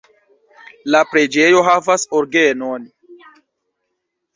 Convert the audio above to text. La preĝejo havas orgenon.